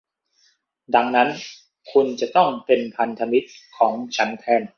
ดังนั้นคุณจะต้องเป็นพันธมิตรของฉันแทน